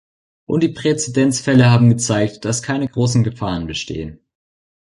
Und die Präzedenzfälle haben gezeigt, dass keine großen Gefahren bestehen.